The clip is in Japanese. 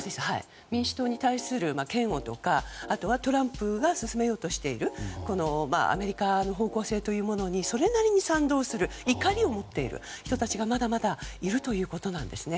民主党に対する嫌悪とかあとはトランプが進めようとしているアメリカの方向性という人それなりに賛同する怒りを持っている人たちがまだまだいるということなんですね。